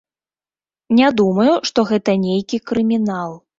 Не думаю, што гэта нейкі крымінал.